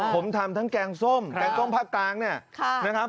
ผมทำทั้งแกงส้มแกงกล้องพักตางเนี่ย